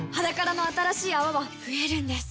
「ｈａｄａｋａｒａ」の新しい泡は増えるんです